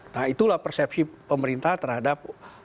nah itulah persepsi pemerintah terhadap